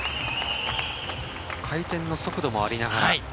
回転の速度もありながら。